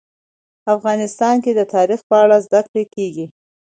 افغانستان کې د تاریخ په اړه زده کړه کېږي.